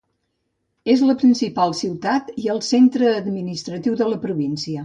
És la principal ciutat i el centre administratiu de la província.